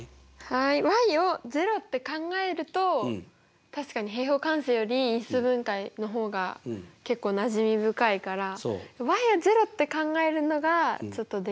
はいを０って考えると確かに平方完成より因数分解の方が結構なじみ深いから。を０って考えるのがちょっとできなかった。